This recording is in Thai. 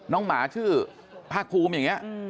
หมาชื่อภาคภูมิอย่างนี้